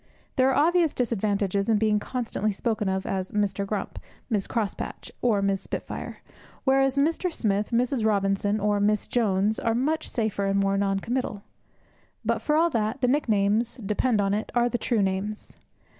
There are obvious disadvantages in being constantly spoken of as Mr. Grump, Mrs. Crosspatch, or Miss Spitfire; whereas Mr. Smith, Mrs. Robinson, or Miss Jones are much safer and more non committal. But, for all that, the nicknames, depend upon it, are the true names.